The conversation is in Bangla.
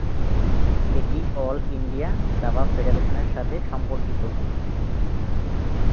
এটি অল ইন্ডিয়া দাবা ফেডারেশনের সাথে সম্পর্কিত।